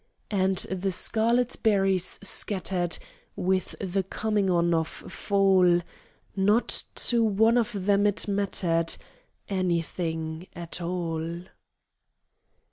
And the scarlet berries scattered With the coming on of fall; Not to one of them it mattered Anything at all.